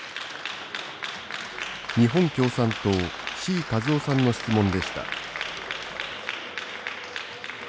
日本共産党、志位和夫さんの質問でした。